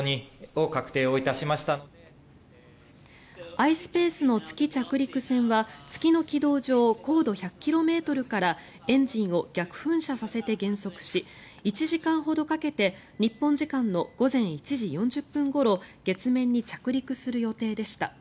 ｉｓｐａｃｅの月着陸船は月の軌道上、高度１００ｋｍからエンジンを逆噴射させて減速し１時間ほどかけて日本時間の午前１時４０分ごろ月面に着陸する予定でした。